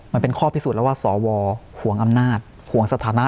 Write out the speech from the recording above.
มันเป็นข้อพิสูจน์แล้วว่าสวห่วงอำนาจห่วงสถานะ